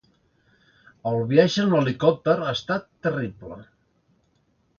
El viatge en l’helicòpter ha estat terrible.